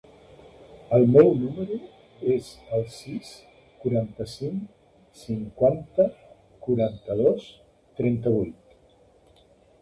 El meu número es el sis, quaranta-cinc, cinquanta, quaranta-dos, trenta-vuit.